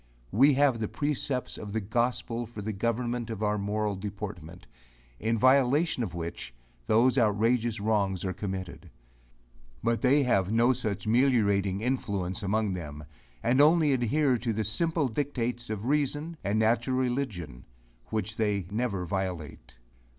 We have the precepts of the gospel for the government of our moral deportment, in violation of which, those outrageous wrongs are committed; but they have no such meliorating influence among them, and only adhere to the simple dictates of reason, and natural religion, which they never violate.